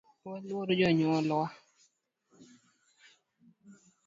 Waluor jonyuol wa